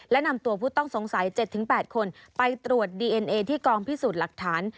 และนำตัวผู้ต้องสงสัย๗๘คนไปตรวจดีเอ็นเอที่กองพิสูจน์หลักฐาน